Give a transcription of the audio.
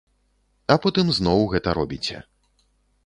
А потым зноў гэта робіце.